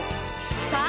さあ